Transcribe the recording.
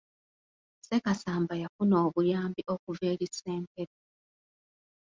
Ssekasamba yafuna obuyambi okuva eri ssentebe.